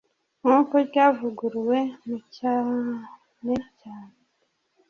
nk uko ryavuguruwe mu cyane cyane